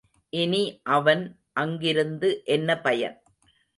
இனி அவன் அங்கிருந்து என்ன பயன்?